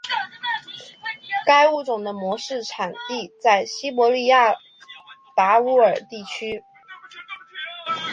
该物种的模式产地在西伯利亚达乌尔地区。